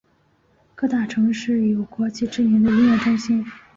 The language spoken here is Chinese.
各大城市有国际知名的音乐中心。